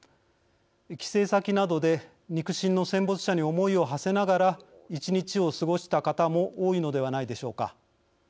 帰省先などで肉親の戦没者に思いをはせながら１日を過ごした方も多いのではないでしょうか。